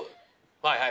はいはい。